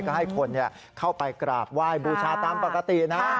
ก็ให้คนเข้าไปกราบไหว้บูชาตามปกตินะ